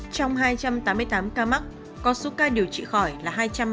trong hai trăm tám mươi tám ca mắc có số ca điều trị khỏi là hai trăm ba mươi ca